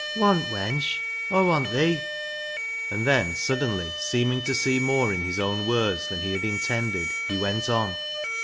"Want, wench? Aw want thee," and then suddenly seeming to see more in his own words than he had intended, he went on.